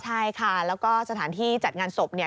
ใช่ค่ะแล้วก็สถานที่จัดงานศพเนี่ย